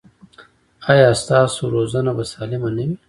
ایا ستاسو روزنه به سالمه نه وي؟